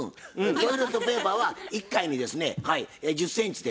トイレットペーパーは一回にですね１０センチで。なあ？